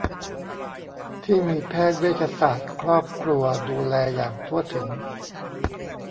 ที่มีแพทย์เวชศาสตร์ครอบครัวดูแลอย่างทั่วถึง